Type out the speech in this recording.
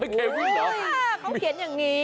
เควิ้นโห้ยยเขาเขียนอย่างนี้